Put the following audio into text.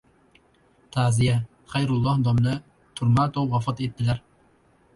Ta’ziya: Xayrulloh domla Turmatov vafot etdilar